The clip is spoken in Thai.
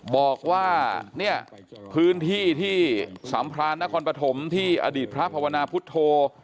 บอกว่าเนี่ยพื้นที่ที่สัมพรานนครปฐมที่อดีตพระภาวนาพุทธโธ